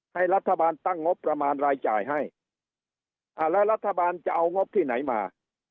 ให้รัฐบาลตั้งงบประมาณรายจ่ายให้อ่าแล้วรัฐบาลจะเอางบที่ไหนมา